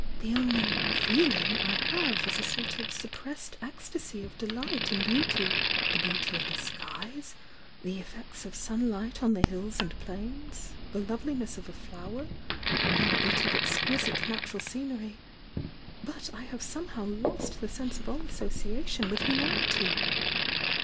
The only 'feeling' I have is a sort of suppressed ecstasy of delight in beauty — the beauty of the skies, the effects of sunlight on the hills and plains, the loveliness of a flower or a bit of exquisite natural scenery — but I have somehow lost the sense of all association with humanity!"